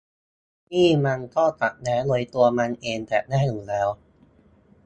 นี่มันก็ขัดแย้งโดยตัวมันเองแต่แรกอยู่แล้ว